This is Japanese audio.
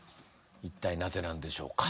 一体なぜなんでしょうか？